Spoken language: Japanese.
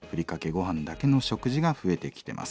ごはんだけの食事が増えてきてます。